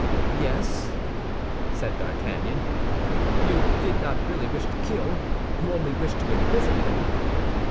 "Yes," said D'Artagnan, "you did not really wish to kill; you only wished to imprison him."